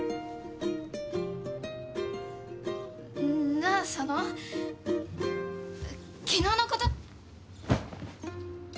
なあ佐野昨日のこと。